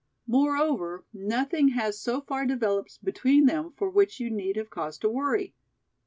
Moreover, nothing has so far developed between them for which you need have cause to worry!